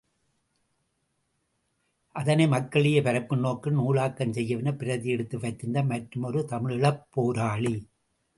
அதனை மக்களிடையே பரப்பும் நோக்கில் நூலாக்கம் செய்யவென, பிரதி எடுத்து வைத்திருந்தார் மற்றுமொரு தமிழிழப் போராளி.